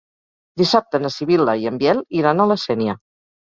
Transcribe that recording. Dissabte na Sibil·la i en Biel iran a la Sénia.